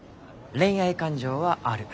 恋愛感情はある。